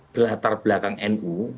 belatar belakang nu